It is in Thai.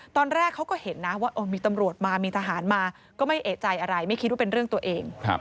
ตอนแรกเขาก็เห็นนะว่ามีตำรวจมามีทหารมาก็ไม่เอกใจอะไรไม่คิดว่าเป็นเรื่องตัวเอง